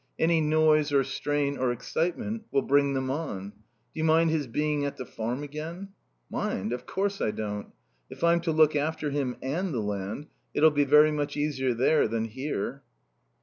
Any noise or strain or excitement'll bring them on. Do you mind his being at the Farm again?" "Mind? Of course I don't. If I'm to look after him and the land it'll be very much easier there than here."